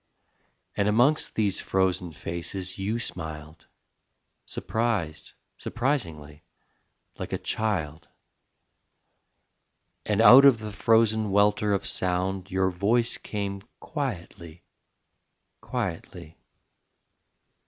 And amongst these frozen faces you smiled, Surprised, surprisingly, like a child: And out of the frozen welter of sound Your voice came quietly, quietly.